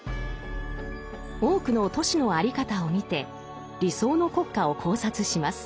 多くの都市の在り方を見て理想の国家を考察します。